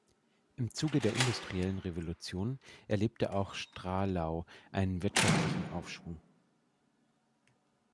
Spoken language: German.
Im Zuge der industriellen Revolution erlebte auch Stralau einen wirtschaftlichen Aufschwung.